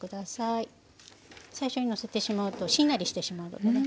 最初にのせてしまうとしんなりしてしまうのでね。